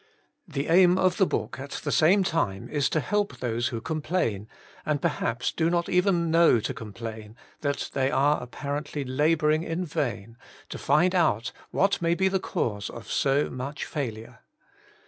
The aim of the book at the same time is to help those who complain, and perhaps do not even know to complain, that they are apparently labouring in vain, to find out what may be the cause of so much failure.